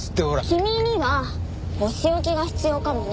君にはお仕置きが必要かもね。